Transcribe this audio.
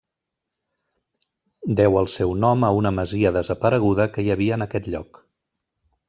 Deu el seu nom a una masia desapareguda que hi havia en aquest lloc.